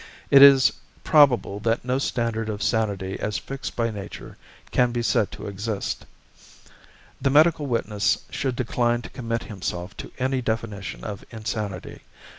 It is probable that no standard of sanity as fixed by nature can be said to exist. The medical witness should decline to commit himself to any definition of insanity.